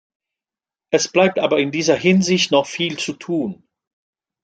Es bleibt aber in dieser Hinsicht noch viel zu tun.